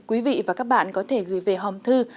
quý vị và các bạn có thể gửi về hòm thư